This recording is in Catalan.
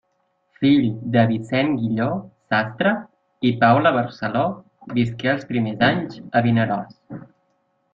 Fill de Vicent Guilló, sastre, i Paula Barceló, visqué els primers anys a Vinaròs.